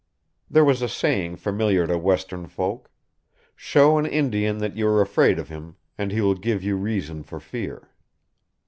There is a saying familiar to Western folk: "Show an Indian that you are afraid of him, and he will give you reason for fear."